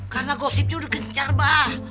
karena gosipnya udah gencar abah